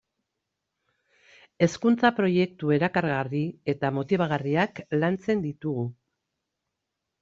Hezkuntza-proiektu erakargarri eta motibagarriak lantzen ditugu.